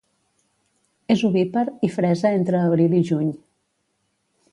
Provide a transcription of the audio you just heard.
És ovípar i fresa entre abril i juny.